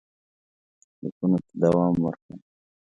لیکونو ته دوام ورکړئ.